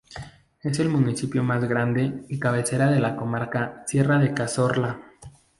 Es el municipio más grande y cabecera de la Comarca Sierra de Cazorla.